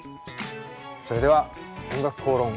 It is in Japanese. それでは「おんがくこうろん」